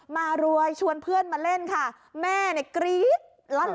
มารวยชวนเพื่อนมาเล่นค่ะแม่กรี๊ดล้านเลยค่ะดูพร้อมกันค่ะ